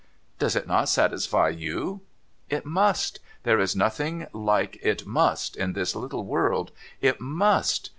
' Does it not satisfy you ?'' It must. There is nothing like "it must" in this little world. It must.